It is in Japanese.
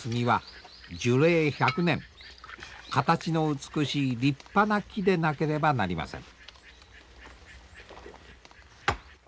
形の美しい立派な木でなければなりません。